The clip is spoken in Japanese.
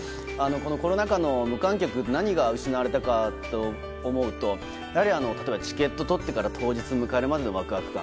コロナ禍の無観客で何が失われたかと思うとやはりチケットを取ってから当日を迎えるまでのワクワク感